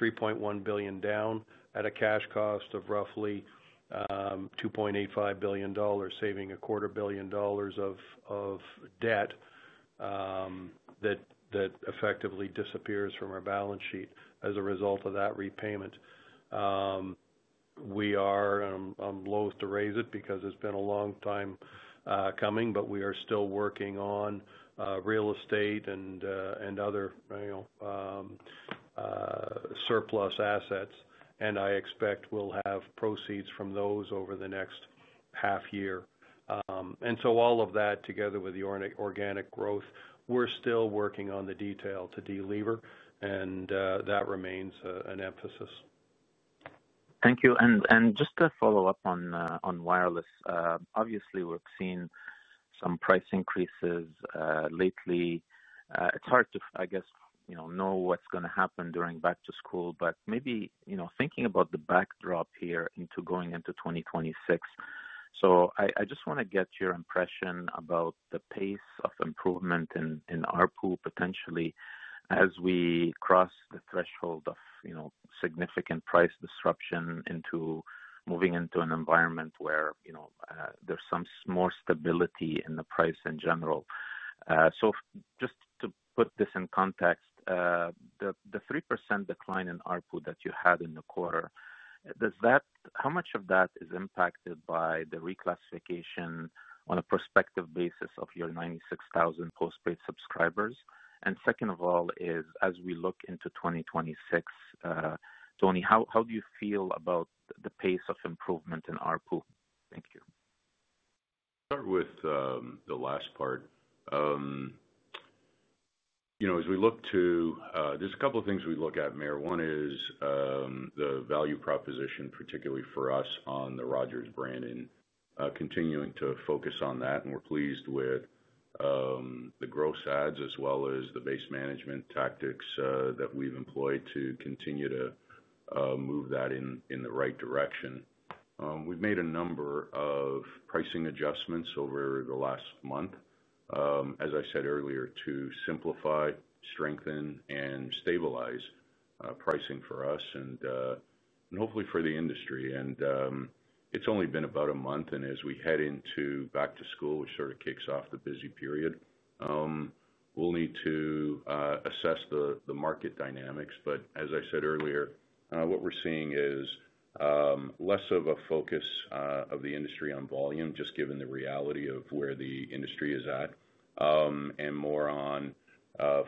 $3.1 billion down at a cash cost of roughly 2.85 billion dollars, saving a quarter billion dollars of debt. That effectively disappears from our balance sheet as a result of that repayment. I'm loath to raise it because it's been a long time coming, but we are still working on real estate and other surplus assets. I expect we'll have proceeds from those over the next half-year. All of that together with the organic growth, we're still working on the detail to deliver, and that remains an emphasis. Thank you. Just to follow up on wireless, obviously, we've seen some price increases lately. It's hard to, I guess, know what's going to happen during back-to-school, but maybe thinking about the backdrop here going into 2026. I just want to get your impression about the pace of improvement in ARPU potentially as we cross the threshold of significant price disruption into moving into an environment where there's some more stability in the price in general. Just to put this in context, the 3% decline in ARPU that you had in the quarter, how much of that is impacted by the reclassification on a prospective basis of your 96,000 postpaid subscribers? Second of all, as we look into 2026, Tony, how do you feel about the pace of improvement in ARPU? Thank you. Start with the last part. As we look to, there's a couple of things we look at, Maher. One is the value proposition, particularly for us on the Rogers brand, and continuing to focus on that. We're pleased with the gross adds as well as the base management tactics that we've employed to continue to move that in the right direction. We've made a number of pricing adjustments over the last month, as I said earlier, to simplify, strengthen, and stabilize pricing for us and hopefully for the industry. It's only been about a month, and as we head into back-to-school, which sort of kicks off the busy period, we'll need to assess the market dynamics. As I said earlier, what we're seeing is less of a focus of the industry on volume, just given the reality of where the industry is at, and more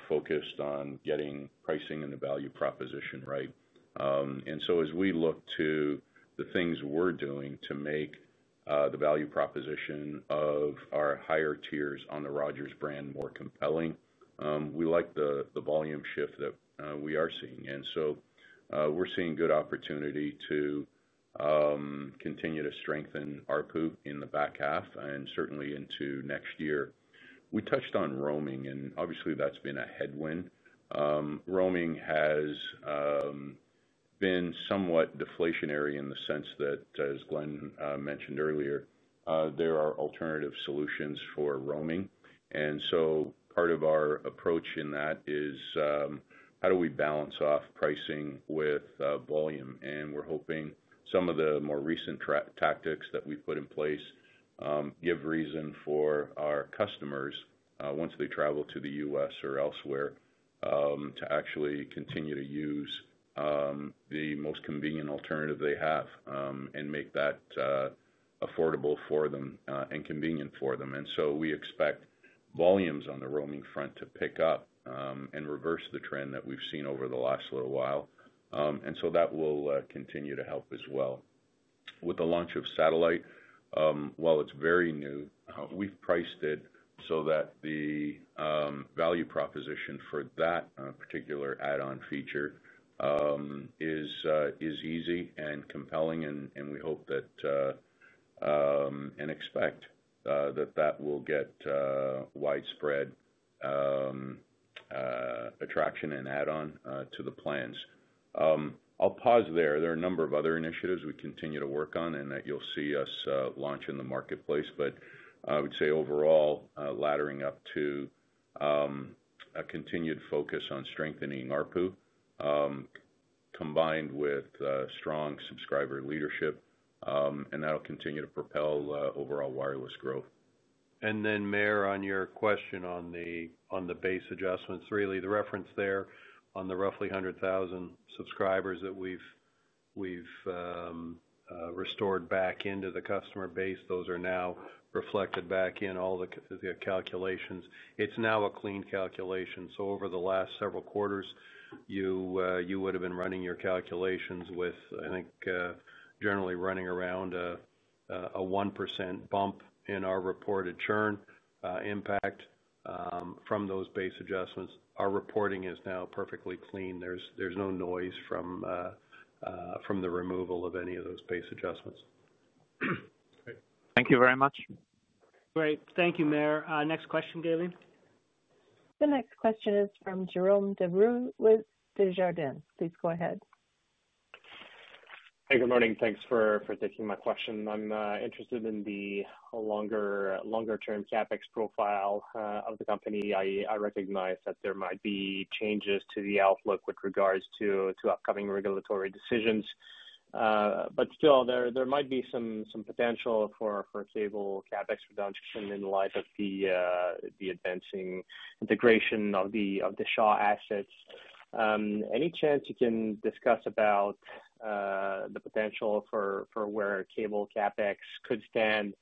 focused on getting pricing and the value proposition right. As we look to the things we're doing to make the value proposition of our higher tiers on the Rogers brand more compelling, we like the volume shift that we are seeing. We're seeing good opportunity to continue to strengthen our pool in the back half and certainly into next year. We touched on roaming, and obviously, that's been a headwind. Roaming has been somewhat deflationary in the sense that, as Glenn mentioned earlier, there are alternative solutions for roaming. Part of our approach in that is how do we balance off pricing with volume? We're hoping some of the more recent tactics that we've put in place give reason for our customers, once they travel to the U.S. or elsewhere, to actually continue to use the most convenient alternative they have and make that affordable for them and convenient for them. We expect volumes on the roaming front to pick up and reverse the trend that we've seen over the last little while. That will continue to help as well. With the launch of satellite, while it's very new, we've priced it so that the value proposition for that particular add-on feature is easy and compelling. We hope that and expect that that will get widespread attraction and add-on to the plans. I'll pause there. There are a number of other initiatives we continue to work on, and you'll see us launch in the marketplace. I would say overall, laddering up to a continued focus on strengthening ARPU combined with strong subscriber leadership. That'll continue to propel overall wireless growth. Maher, on your question on the base adjustments, really, the reference there on the roughly 100,000 subscribers that we've restored back into the customer base, those are now reflected back in all the calculations. It's now a clean calculation. Over the last several quarters, you would have been running your calculations with, I think, generally running around a 1% bump in our reported churn impact from those base adjustments. Our reporting is now perfectly clean. There's no noise from the removal of any of those base adjustments. Thank you very much. Great. Thank you, Maher. Next question, Gayleen? The next question is from Jerome Dubreuil with Desjardin. Please go ahead. Hey, good morning. Thanks for taking my question. I'm interested in the longer-term CapEx profile of the company. I recognize that there might be changes to the outlook with regards to upcoming regulatory decisions. Still, there might be some potential for cable CapEx reduction in light of the advancing integration of the Shaw assets. Any chance you can discuss about the potential for where cable CapEx could stand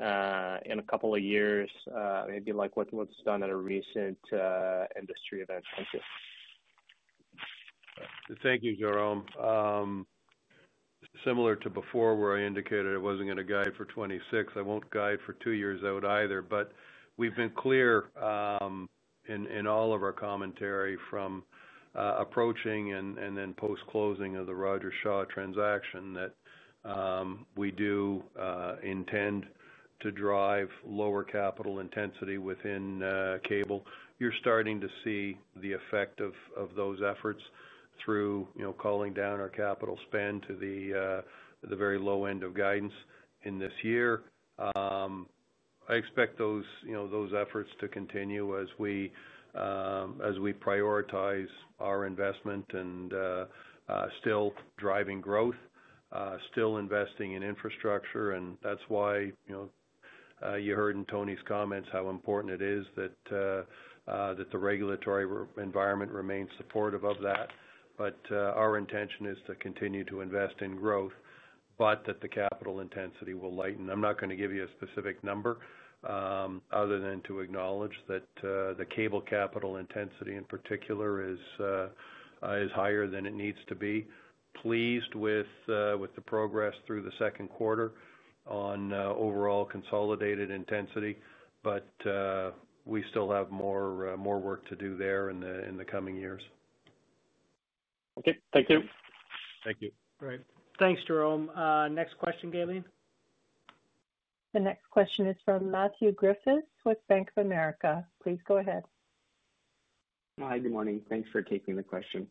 in a couple of years, maybe like what's done at a recent industry event? Thank you. Thank you, Jerome. Similar to before, where I indicated I wasn't going to guide for 2026, I won't guide for two years out either. We have been clear in all of our commentary from approaching and then post-closing of the Rogers Shaw transaction that we do intend to drive lower capital intensity within cable. You're starting to see the effect of those efforts through calling down our capital spend to the very low end of guidance in this year. I expect those efforts to continue as we prioritize our investment and still driving growth, still investing in infrastructure. That is why you heard in Tony's comments how important it is that the regulatory environment remains supportive of that. Our intention is to continue to invest in growth, but the capital intensity will lighten. I'm not going to give you a specific number other than to acknowledge that the cable capital intensity, in particular, is higher than it needs to be. Pleased with the progress through the second quarter on overall consolidated intensity, but we still have more work to do there in the coming years. Thank you. Thank you. Great. Thanks, Jerome. Next question, Gayleen? The next question is from Matthew Griffiths with Bank of America. Please go ahead. Hi, good morning. Thanks for taking the question.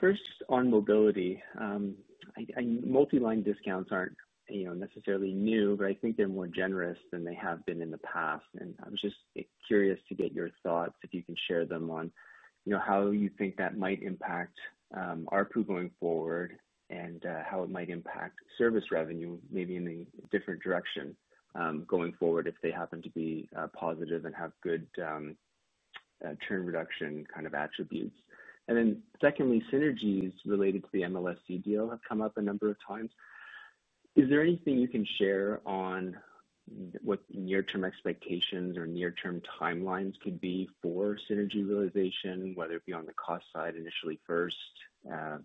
First, on mobility. Multiline discounts aren't necessarily new, but I think they're more generous than they have been in the past. I was just curious to get your thoughts, if you can share them, on how you think that might impact ARPU going forward and how it might impact service revenue, maybe in a different direction going forward if they happen to be positive and have good churn reduction kind of attributes. Secondly, synergies related to the MLSE deal have come up a number of times. Is there anything you can share on what near-term expectations or near-term timelines could be for synergy realization, whether it be on the cost side initially first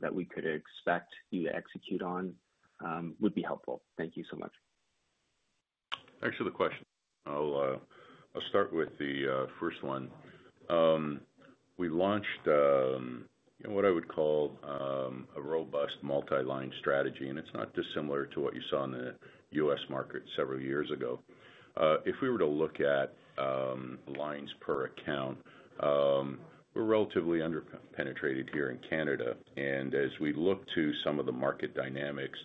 that we could expect you to execute on? Would be helpful. Thank you so much. Thanks for the question. I'll start with the first one. We launched what I would call a robust multiline strategy, and it's not dissimilar to what you saw in the U.S. market several years ago. If we were to look at lines per account, we're relatively underpenetrated here in Canada. As we look to some of the market dynamics,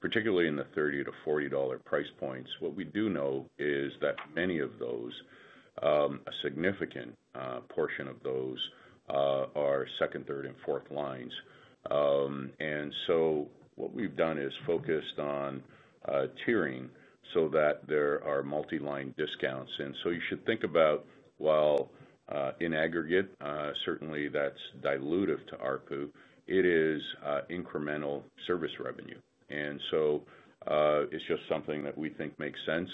particularly in the $30–$40 price points, what we do know is that many of those, a significant portion of those, are second, third, and fourth lines. What we've done is focused on tiering so that there are multiline discounts. You should think about, while in aggregate, certainly that's dilutive to ARPU, it is incremental service revenue. It's just something that we think makes sense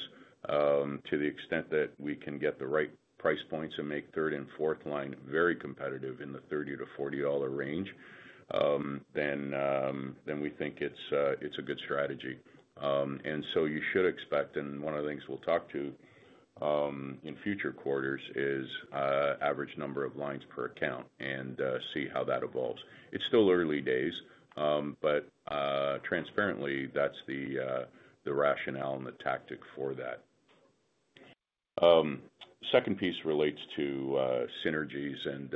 to the extent that we can get the right price points and make third and fourth line very competitive in the $30-$40 range. We think it's a good strategy. You should expect, and one of the things we'll talk to in future quarters is average number of lines per account and see how that evolves. It's still early days, but transparently, that's the rationale and the tactic for that. The second piece relates to synergies, and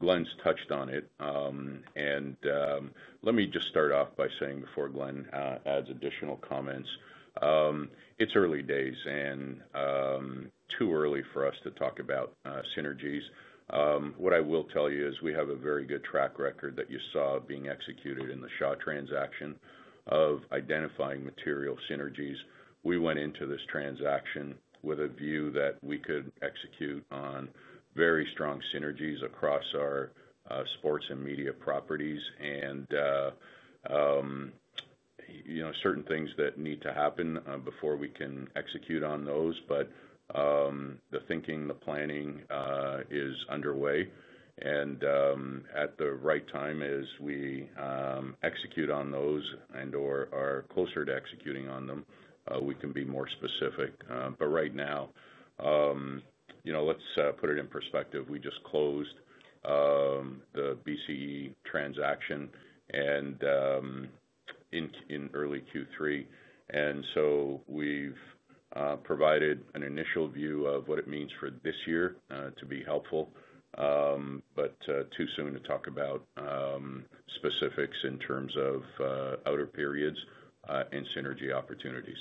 Glenn's touched on it. Let me just start off by saying before Glenn adds additional comments, it's early days, and too early for us to talk about synergies. What I will tell you is we have a very good track record that you saw being executed in the Shaw transaction of identifying material synergies. We went into this transaction with a view that we could execute on very strong synergies across our sports and media properties and certain things that need to happen before we can execute on those. The thinking, the planning is underway. At the right time, as we execute on those and/or are closer to executing on them, we can be more specific. Right now, let's put it in perspective. We just closed the BCE transaction in early Q3, and we've provided an initial view of what it means for this year to be helpful. Too soon to talk about specifics in terms of outer periods and synergy opportunities.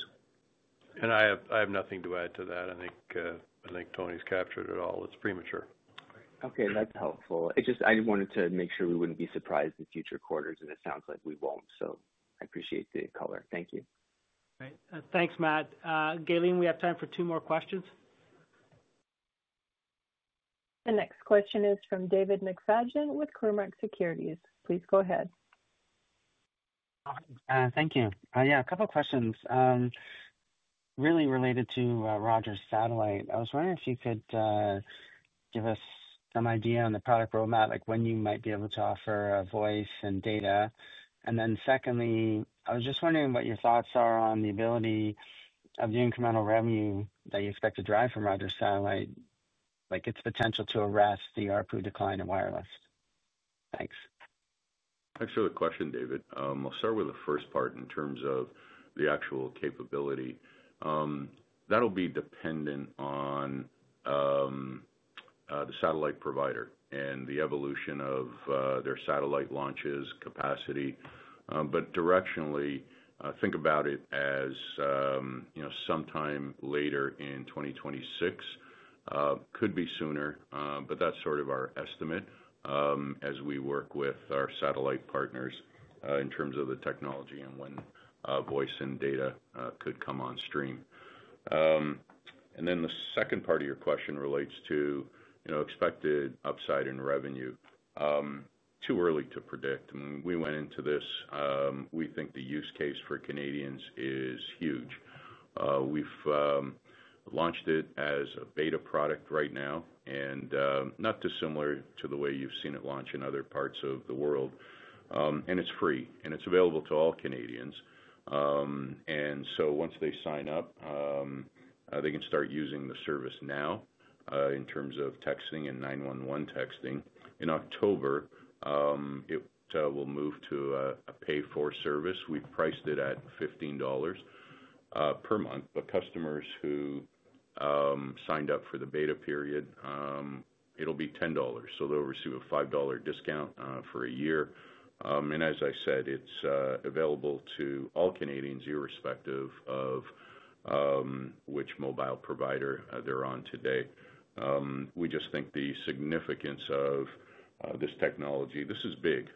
I have nothing to add to that. I think Tony's captured it all. It's premature. Okay. That's helpful. I just wanted to make sure we wouldn't be surprised in future quarters, and it sounds like we won't. I appreciate the color. Thank you. Great. Thanks, Matt. Gayleen, we have time for two more questions. The next question is from David McFadgen with Cormark Securities. Please go ahead. Thank you. Yeah, a couple of questions really related to Rogers Satellite. I was wondering if you could give us some idea on the product roadmap, like when you might be able to offer a voice and data. Secondly, I was just wondering what your thoughts are on the ability of the incremental revenue that you expect to drive from Rogers Satellite, its potential to arrest the ARPU decline in wireless. Thanks. Thanks for the question, David. I'll start with the first part in terms of the actual capability. That'll be dependent on the satellite provider and the evolution of their satellite launches capacity. Directionally, think about it as sometime later in 2026. Could be sooner, but that's sort of our estimate as we work with our satellite partners in terms of the technology and when voice and data could come on stream. The second part of your question relates to expected upside in revenue. Too early to predict. I mean, we went into this, we think the use case for Canadians is huge. We've launched it as a beta product right now, and not dissimilar to the way you've seen it launch in other parts of the world. It's free, and it's available to all Canadians. Once they sign up, they can start using the service. Now, in terms of texting and 911 texting, in October it will move to a pay-for service. We have priced it at 15 dollars per month, but customers who signed up for the beta period, it will be 10 dollars. They will receive a 5 dollar discount for a year. As I said, it is available to all Canadians, irrespective of which mobile provider they are on today. The significance of this technology—this is big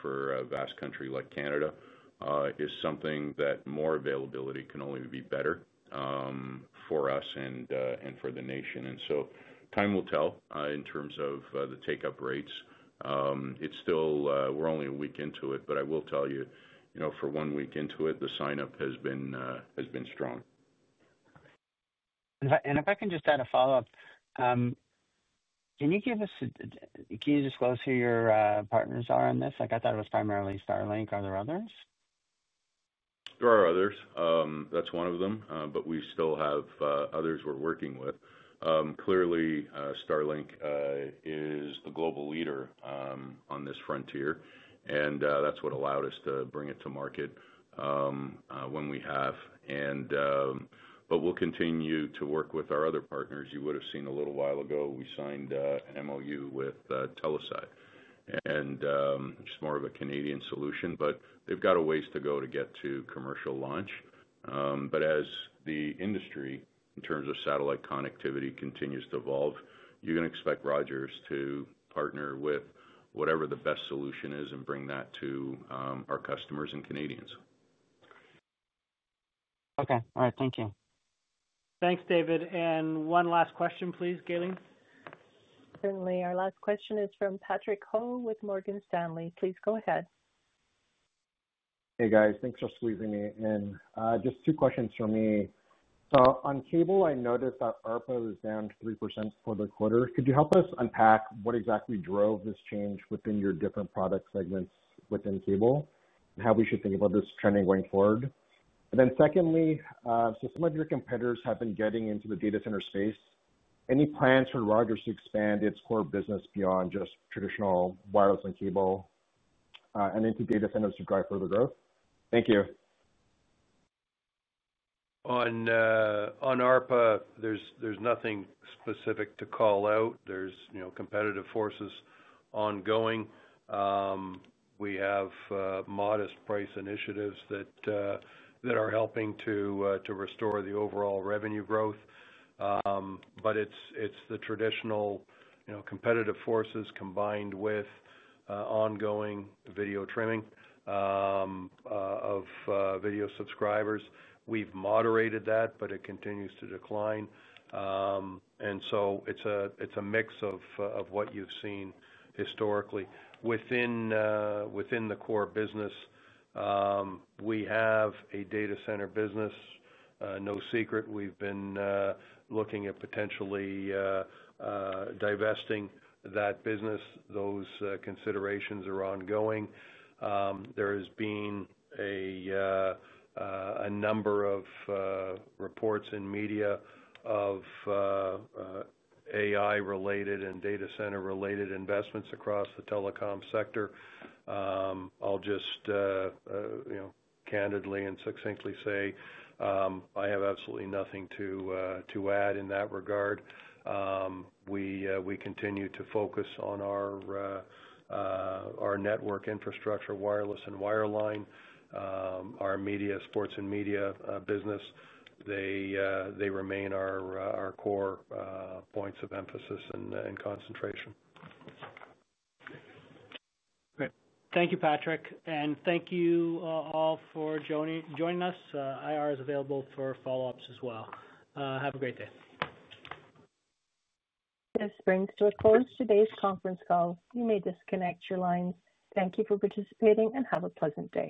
for a vast country like Canada—is something that more availability can only be better for us and for the nation. Time will tell in terms of the take-up rates. We are only a week into it, but I will tell you, for one week into it, the sign-up has been strong. If I can just add a follow-up, can you give us—can you disclose who your partners are on this? I thought it was primarily Starlink. Are there others? There are others. That is one of them, but we still have others we are working with. Clearly, Starlink is the global leader on this frontier, and that is what allowed us to bring it to market when we have. We will continue to work with our other partners. You would have seen a little while ago we signed an MOU with Telesat, and it is more of a Canadian solution, but they have got a ways to go to get to commercial launch. As the industry, in terms of satellite connectivity, continues to evolve, you are going to expect Rogers to partner with whatever the best solution is and bring that to our customers and Canadians. Thank you. Thanks, David. One last question, please, Gayleen. Certainly. Our last question is from Patrick Ho with Morgan Stanley. Please go ahead. Hey, guys. Thanks for squeezing me in. Just two questions for me. On cable, I noticed that ARPU is down 3% for the quarter. Could you help us unpack what exactly drove this change within your different product segments within cable and how we should think about this trending going forward? Secondly, some of your competitors have been getting into the data center space. Any plans for Rogers to expand its core business beyond just traditional wireless and cable and into data centers to drive further growth? Thank you. On ARPU, there is nothing specific to call out. There are competitive forces ongoing. We have modest price initiatives that are helping to restore the overall revenue growth, but it is the traditional competitive forces combined with ongoing video trimming of video subscribers. We have moderated that, but it continues to decline. It is a mix of what you have seen historically. Within the core business, we have a data center business. No secret, we have been looking at potentially divesting that business. Those considerations are ongoing. There has been a number of reports in media of AI-related and data center-related investments across the telecom sector. I'll just candidly and succinctly say I have absolutely nothing to add in that regard. We continue to focus on our network infrastructure, wireless, and wireline. Our sports and media business, they remain our core points of emphasis and concentration. Great. Thank you, Patrick. Thank you all for joining us. IR is available for follow-ups as well. Have a great day. This brings to a close today's conference call. You may disconnect your lines. Thank you for participating and have a pleasant day.